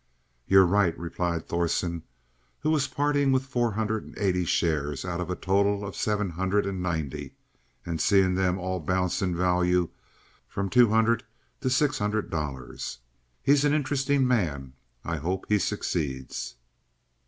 "You're right," replied Thorsen, who was parting with four hundred and eighty shares out of a total of seven hundred and ninety, and seeing them all bounce in value from two hundred to six hundred dollars. "He's an interesting man. I hope he succeeds."